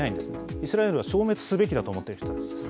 イスラエルは消滅すべきだと思ってる人たちです。